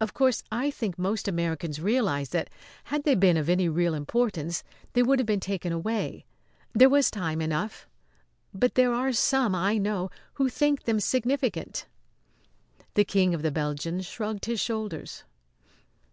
Of course I think most Americans realise that, had they been of any real importance, they would have been taken away. There was time enough. But there are some, I know, who think them significant." The King of the Belgians shrugged his shoulders.